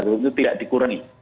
itu tidak dikurangi